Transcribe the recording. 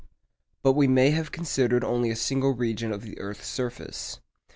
But we have considered only a single region of the earth's surface.